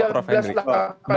prof henry silahkan